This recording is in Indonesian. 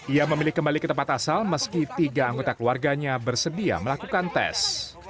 ia memilih kembali ke tempat asal meski tiga anggota keluarganya bersedia melakukan tes